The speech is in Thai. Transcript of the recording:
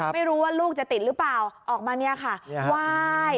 ไม่รู้ว่าลูกจะติดหรือเปล่าออกมาเนี่ยค่ะไหว้